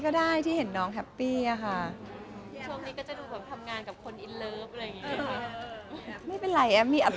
เสียงงานสมตัวอะไรหรือว่า